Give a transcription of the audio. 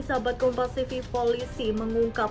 sahabat kompas tv polisi mengungkap